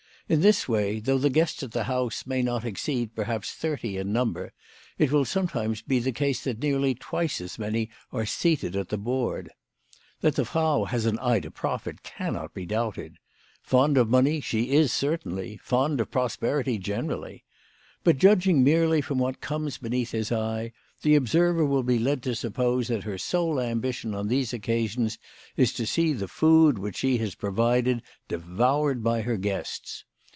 In this way, though the guests at the house may not exceed perhaps thirty in number, it will sometimes be the case that nearly twice as many are seated at the board. That the Frau has an eye to profit cannot be doubted. Fond of money she is certainly ; fond of prosperity generally. But, judging merely from what comes beneath his eye, the observer will be led to suppose that her sole ambition on these occasions is to see the food which she has pro vided devoured by her guests.